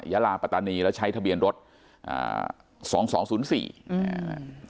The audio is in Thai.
ยาลาปัตตานีแล้วใช้ทะเบียนรถอ่าสองสองศูนย์สี่อืมอ่า